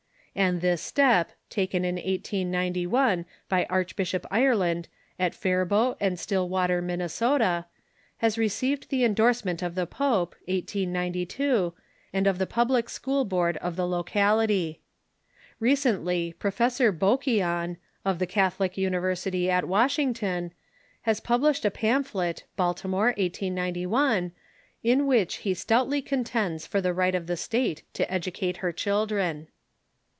And this step, taken in 1891 by Archbishop Ireland at Faribault and Stillwater, Minnesota, has received the endorsement of the pope (1892) and of the Public School Board of the localitJ^ Recently Pro fessor Bouquillon, of the Catholic University at Washington, has published a pamphlet (Baltimore, 1891), in which he stout ly contends for the right of the state to educate her children.